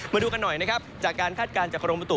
มาดูกันหน่อยนะครับจากการคาดการณ์จากกรมประตู